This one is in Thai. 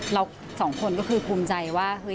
เราสองคนก็คือภูมิใจว่า